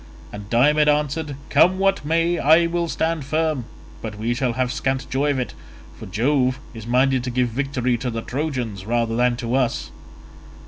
And Diomed answered, "Come what may, I will stand firm; but we shall have scant joy of it, for Jove is minded to give victory to the Trojans rather than to us."